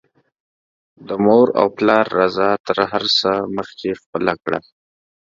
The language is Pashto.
د مور او پلار رضاء تر هر څه مخکې خپله کړه